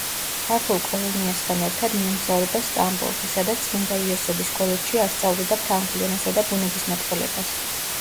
ქართულ კოლონიასთან ერთად მიემგზავრება სტამბოლში, სადაც წმინდა იოსების კოლეჯში ასწავლიდა ფრანგულ ენასა და ბუნებისმეტყველებას.